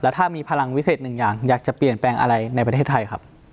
ถ้ามีพลังวิเศษหนึ่งอย่างอยากจะเปลี่ยนแปลงอะไรในประเทศไทยครับ